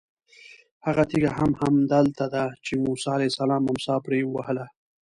هغه تېږه هم همدلته ده چې موسی علیه السلام امسا پرې ووهله.